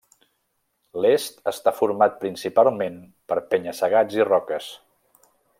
L'est està format principalment per penya-segats i roques.